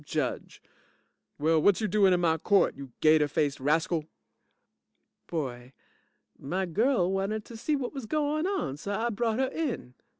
JUDGE Well, whut you doin' in my court, you gater faced rascal? BOY My girl wanted to see whut was goin' on, so I brought her in.